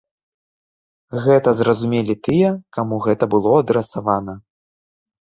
Гэта зразумелі тыя, каму гэта было адрасавана.